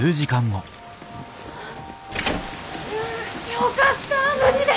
よかった無事で。